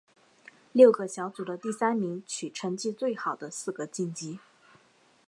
六个小组的第三名取成绩最好的四个晋级。